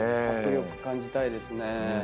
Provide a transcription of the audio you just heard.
迫力感じたいですね。